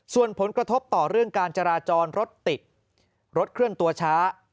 ส่วนผลกระทบต่อเรื่องการจราจรรถติดรถเคลื่อนตัวช้า